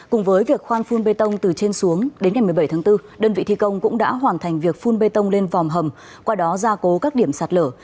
cùng với việc khoan phun bê tông từ trên xuống đến ngày một mươi bảy tháng bốn đơn vị thi công cũng đã hoàn thành việc phun bê tông lên vòm hầm qua đó gia cố các điểm sạt lở